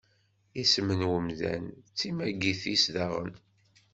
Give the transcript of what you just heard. Isem n umdan d timagit-is daɣen.